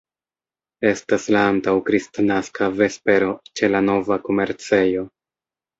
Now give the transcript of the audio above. Estas la antaŭ-Kristnaska vespero ĉe la nova komercejo.